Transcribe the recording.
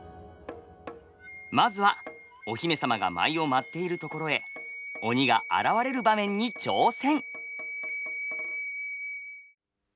まずはお姫様が舞をまっているところへ鬼が現れる場面に挑戦。